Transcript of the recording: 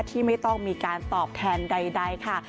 ที่ไม่ต้องมีการตอบแทนใดค่ะ